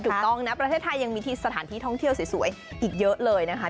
ถูกต้องนะประเทศไทยยังมีสถานที่ท่องเที่ยวสวยอีกเยอะเลยนะคะ